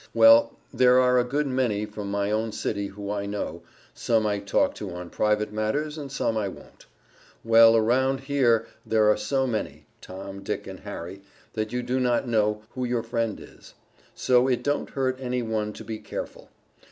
Well there are a good many from my own city who I know some I talk to on private matters and some I wont. Well around here there are so many Tom, Dick and Harry that you do not know who your friend is. So it don't hurt any one to be careful.